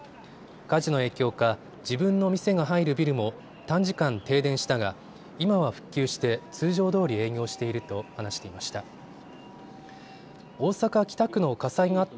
火事の影響か自分の店が入るビルも短時間、停電したが今は復旧して通常どおり営業していると話していました。